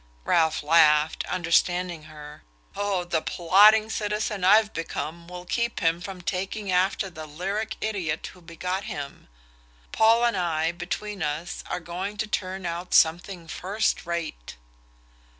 Ralph laughed, understanding her. "Oh, the plodding citizen I've become will keep him from taking after the lyric idiot who begot him. Paul and I, between us, are going to turn out something first rate."